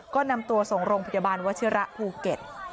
ก็นำตัวส่งโรงพยาบาลวชิระภูเก็ต